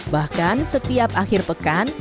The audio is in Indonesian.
bahkan setiap akhir pekan